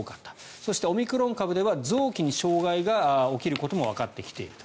そしてオミクロン株では臓器に障害が起きることもわかってきていると。